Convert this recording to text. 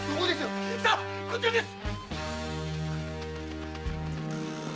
さあこちらです！